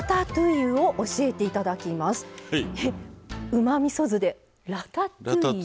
うまみそ酢でラタトゥイユ。